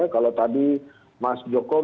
kalau tadi mas jokowi